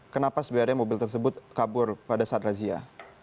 kenapa sebenarnya mobil tersebut kabur pada saat razia